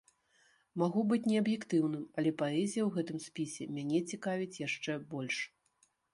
Магу быць неаб'ектыўным, але паэзія ў гэтым спісе мяне цікавіць яшчэ больш.